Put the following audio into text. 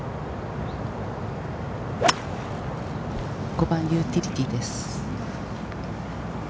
５番ユーティリティーです。